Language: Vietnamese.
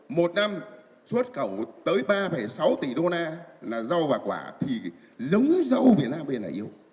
một năm xuất khẩu tới ba sáu tỷ đô la là rau và quả thì giống rau việt nam bây giờ yếu